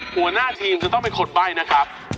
หัวหน้าทีมจะต้องเป็นคนใบ้นะครับ